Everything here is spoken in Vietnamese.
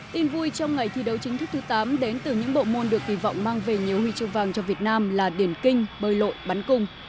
tin vui trong ngày thi đấu chính thức thứ tám đến từ những bộ môn được kỳ vọng mang về nhiều huy chương vàng cho việt nam là điển kinh bơi lội bắn cung